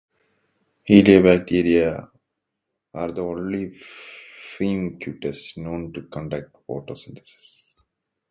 Heliobacteria are the only firmicutes known to conduct photosynthesis.